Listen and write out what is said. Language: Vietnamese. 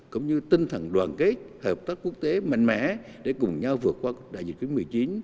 cũng như tinh thần đoàn kết hợp tác quốc tế mạnh mẽ để cùng nhau vượt qua đại dịch một mươi chín